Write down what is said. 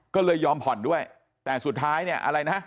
ก็เลยยอมผ่อนด้วยแต่สุดท้ายเนี่ยอะไรนะ